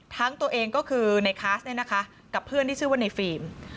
ตัวเองก็คือในคลาสเนี่ยนะคะกับเพื่อนที่ชื่อว่าในฟิล์ม